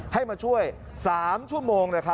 ให้มาช่วย๓ชั่วโมง